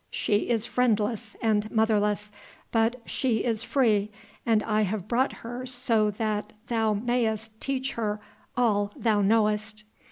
She is friendless and motherless, but she is free, and I have brought her so that thou mayest teach her all thou knowest."